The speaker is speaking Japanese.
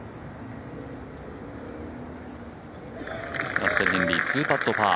ラッセル・ヘンリー、２パットパー。